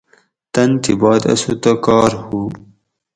تن تھی بعد اسوں تہ کار ہُو